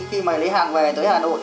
khi mày lấy hàng về tới hà nội